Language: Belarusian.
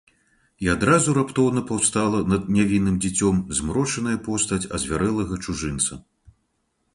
І адразу раптоўна паўстала над нявінным дзіцём змрочная постаць азвярэлага чужынца.